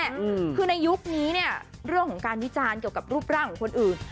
เพราะว่าในยุคนี้เรื่องการวิจารณ์เกี่ยวกับรูปร่างของคนอื่น